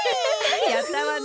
やったわね！